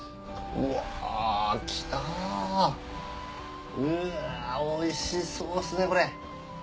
うわぁおいしそうですねこれ。